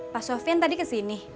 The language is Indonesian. pak sofian tadi kesini